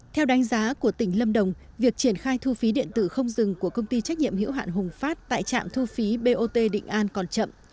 theo đánh giá của tỉnh lâm đồng việc triển khai thu phí điện tử không dừng của công ty trách nhiệm hiểu hạn hùng phát tại trạm thu phí bot định an còn chậm